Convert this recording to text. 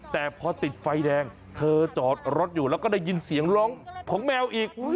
แต่พอติดไฟแดงเธอจอดรถอยู่แล้วก็ได้ยินเสียงร้องของแมวอีก